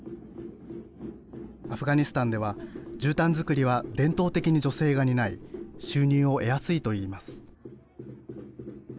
アフガニスタンではじゅうたん作りは伝統的に女性が担い、収入を得やすいといいます。